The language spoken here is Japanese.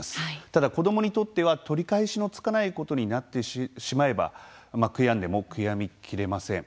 ただ、子どもにとっては取り返しのつかないことになってしまえば悔やんでも悔やみきれません。